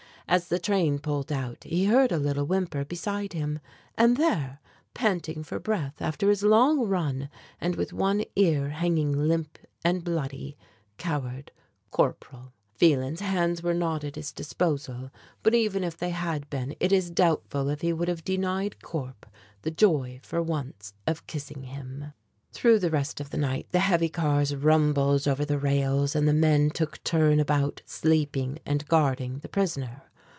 As the train pulled out he heard a little whimper beside him and there, panting for breath after his long run, and with one ear hanging limp and bloody, cowered Corporal. Phelan's hands were not at his disposal, but even if they had been it is doubtful if he would have denied Corp the joy for once of kissing him. Through the rest of the night the heavy cars rumbled over the rails, and the men took turn about sleeping and guarding the prisoner.